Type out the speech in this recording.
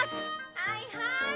はいはい。